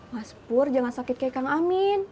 mas pur jangan sakit kayak kami